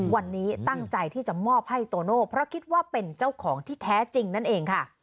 วันนี้ตั้งใจที่จะมอบให้โตโน่เพราะคิดว่าเป็นเจ้าของที่แท้จริงนั่นเองค่ะ